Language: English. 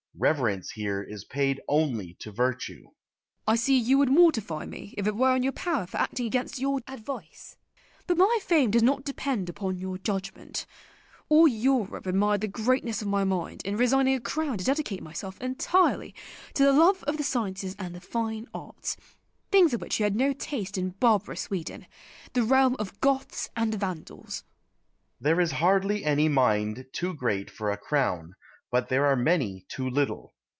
Reverence here is paid only to virtue. Christina. I see you would mortify me if it were in your power for acting against your advice. But my fame does not depend upon your judgment. All Europe admired the greatness of my mind in resigning a crown to dedicate myself entirely to the love of the sciences and the fine arts; things of which you had no taste in barbarous Sweden, the realm of Goths and Vandals. Oxenstiern. There is hardly any mind too great for a crown, but there are many too little.